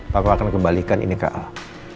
papa akan kembalikan ini ke al